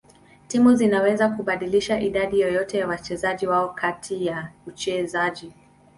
Timu zinaweza kubadilisha idadi yoyote ya wachezaji wao kati ya uchezaji.